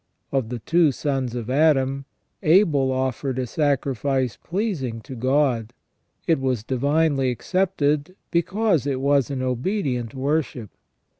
Of the two sons of Adam, Abel offered a sacrifice pleasing to God. It was divinely accepted, because it was an obedient worship.